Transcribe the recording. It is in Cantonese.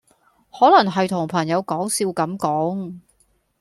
可能係同朋友講笑咁講